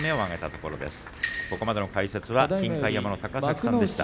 ここまでの解説は金開山の高崎さんでした。